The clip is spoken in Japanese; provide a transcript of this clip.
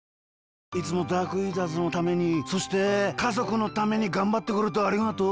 いつもダークイーターズのためにそしてかぞくのためにがんばってくれてありがとう。